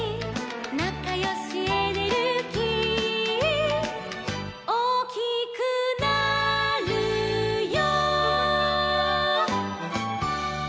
「なかよしエネルギー」「おおきくなるよ」